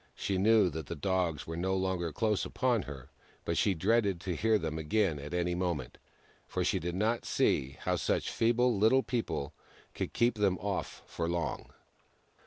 She knew that the Dogs were no longer close upon her, but she dreaded to hear them again at any moment, for she did not see how such feeble Little People could keep them off for long.